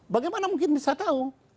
bagaimana mungkin bisa tahu